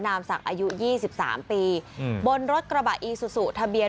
นามศักดิ์อายุ๒๓ปีบนรถกระบะอีซูซูทะเบียน